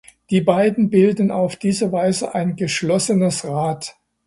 Die beiden bilden auf diese Weise ein geschlossenes Rad.